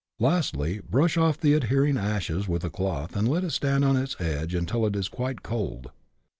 Lastly, brush off* the ad hering ashes with a cloth, and let it stand on its edge until it is quite cold.